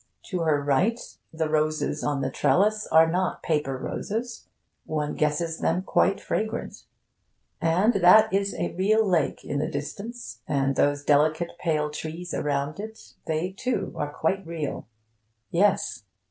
To her right, the roses on the trellis are not paper roses one guesses them quite fragrant. And that is a real lake in the distance; and those delicate pale trees around it, they too are quite real. Yes!